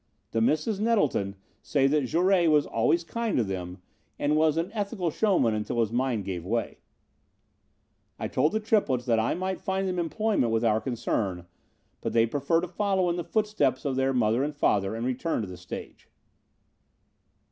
"The Misses Nettleton say that Jouret was always kind to them and was an ethical showman until his mind gave way. "I told the triplets that I might find them employment with our concern, but they prefer to follow in the footsteps of their mother and father, and return to the stage."